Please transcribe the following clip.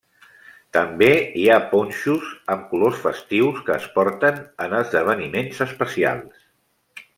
També hi ha ponxos amb colors festius que es porten en esdeveniments especials.